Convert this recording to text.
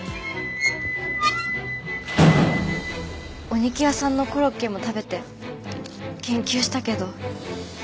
お肉屋さんのコロッケも食べて研究したけど。